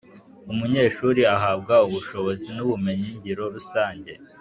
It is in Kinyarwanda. umunyeshuri ahabwa ubushobozi n’ubumenyi ngiro rusange